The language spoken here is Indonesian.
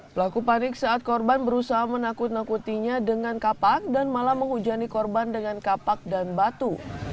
pelaku panik saat korban berusaha menakut nakutinya dengan kapak dan malah menghujani korban dengan kapak dan batu